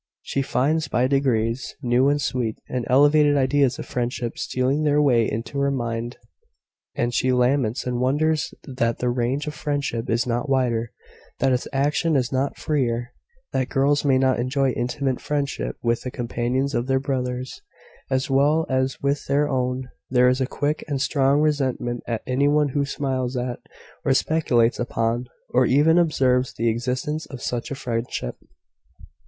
She finds, by degrees, new, and sweet, and elevated ideas of friendship stealing their way into her mind, and she laments and wonders that the range of friendship is not wider that its action is not freer that girls may not enjoy intimate friendship with the companions of their brothers, as well as with their own. There is a quick and strong resentment at any one who smiles at, or speculates upon, or even observes the existence of such a friendship."